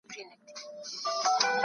بدبختي به ختمه سي.